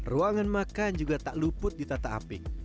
ruangan makan juga tak luput ditata api